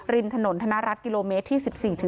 ริมถนนธนรัฐกิโลเมตรที่๑๔